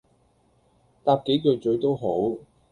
搭幾句咀都好